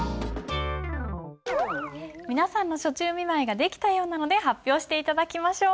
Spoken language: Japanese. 皆さんの暑中見舞いが出来たようなので発表して頂きましょう。